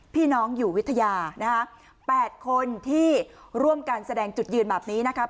พี่น้องอยู่วิทยานะฮะ๘คนที่ร่วมการแสดงจุดยืนแบบนี้นะครับ